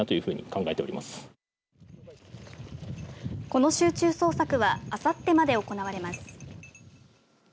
この集中捜索はあさってまで行われます。